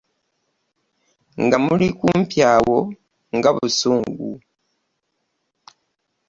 Namuli kumpi awo nga busungu.